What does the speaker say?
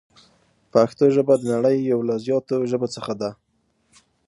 پښتو ژبه د نړۍ یو له زیاتو ژبو څخه ده.